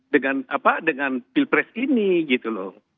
dengan pilpres ini gitu loh